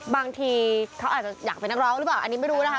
บางทีเขาอาจจะอยากเป็นนักร้องหรือเปล่าอันนี้ไม่รู้นะคะ